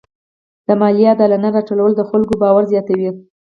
د مالیې عادلانه راټولول د خلکو باور زیاتوي.